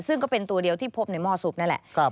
ซึ่งก็เป็นตัวเดียวที่พบในหม้อสุกนั่นแหละ